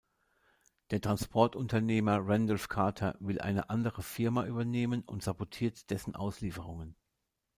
Der Transportunternehmer Randolph Carter will eine andere Firma übernehmen und sabotiert dessen Auslieferungen.